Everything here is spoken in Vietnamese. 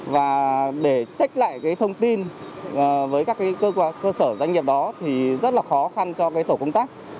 và để trích lại cái thông tin với các cơ sở doanh nghiệp đó thì rất là khó khăn cho cái tổ công tác